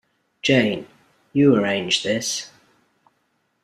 Jane, you arrange this.